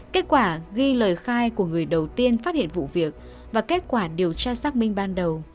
kết quả ghi lời khai của người đầu tiên phát hiện vụ việc và kết quả điều tra xác minh ban đầu